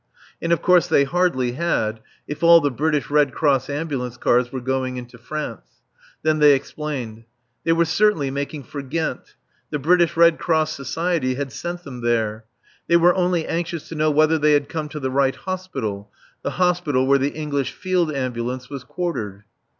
And of course they hardly had, if all the British Red Cross ambulance cars were going into France. Then they explained. They were certainly making for Ghent. The British Red Cross Society had sent them there. They were only anxious to know whether they had come to the right Hospital, the Hospital where the English Field Ambulance was quartered.